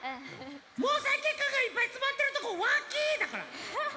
もうさいけっかんがいっぱいつまってるとこわきだから！